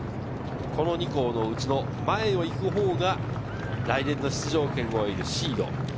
２校のうちの前を行くほうが来年の出場権を得るシード。